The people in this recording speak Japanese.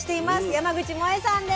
山口もえさんです。